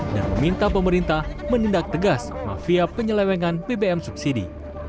dan meminta pemerintah menindak tegas mafia penyelewengan bbm subsidi